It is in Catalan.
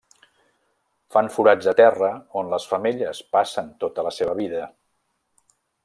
Fan forats a terra on les femelles passen tota la seva vida.